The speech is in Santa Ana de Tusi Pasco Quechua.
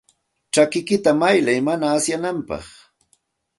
Chakikiyta paqay mana asyananpaq.